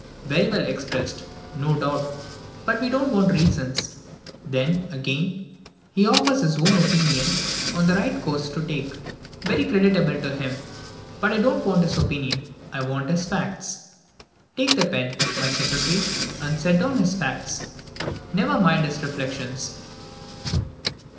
Very well expressed, no doubt, but we don't want reasons. Then, again, he offers his own opinion on the right course to take. Very creditable to him, but I don't want his opinion I want his facts. Take the pen, my secretary, and set down his facts. Never mind his reflections."